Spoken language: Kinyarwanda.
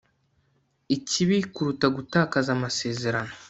ikibi kuruta gutakaza amasezerano